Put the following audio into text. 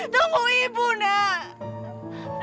tunggu ibu nak